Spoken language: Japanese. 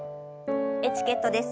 エチケットです。